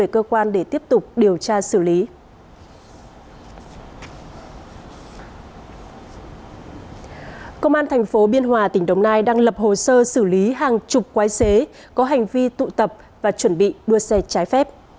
công an thành phố biên hòa tỉnh đồng nai đang lập hồ sơ xử lý hàng chục quái xế có hành vi tụ tập và chuẩn bị đua xe trái phép